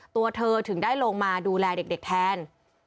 ตัวเธอถึงได้ลงมาดูแลเด็กแทน